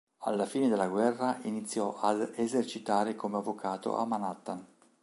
Alla fine della guerra, iniziò ad esercitare come avvocato a Manhattan.